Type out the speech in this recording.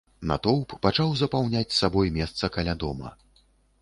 Натоўп пачаў запаўняць сабой месца каля дома.